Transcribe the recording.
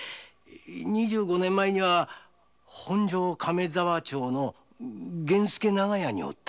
二十五年前には本所亀沢町の源助長屋におった。